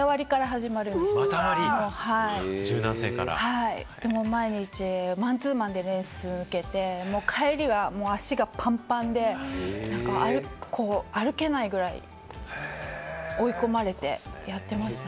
股わりから、毎日マンツーマンで練習受けて、帰りは足がパンパンで歩けないぐらい追い込まれてやってましたね。